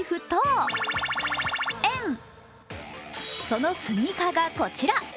そのスニーカーがこちら。